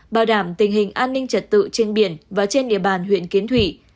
bảo đảm tình hình an ninh trật tự trên biển và trên địa bàn huyện kiến thủy